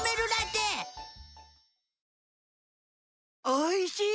おいしい！